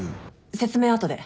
説明は後で。